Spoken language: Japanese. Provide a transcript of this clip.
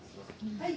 はい。